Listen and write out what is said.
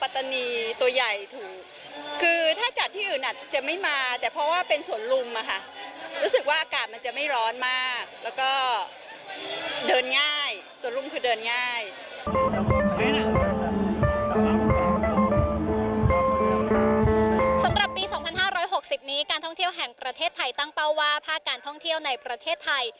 สำหรับปี๒๕๖๐นี้การท่องเที่ยวแห่งประเทศไทยตั้งเป้าว่าภาคการท่องเที่ยวในประเทศไทย